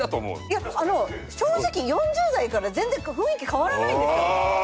いやあの正直４０代から全然雰囲気変わらないんですよ。